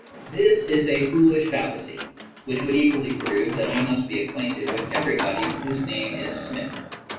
This is a foolish fallacy, which would equally prove that I must be acquainted with everybody whose name is Smith.